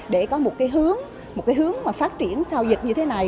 để có một hướng phát triển sau dịch như thế này